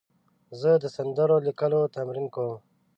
زه د سندرو لیکلو تمرین کوم.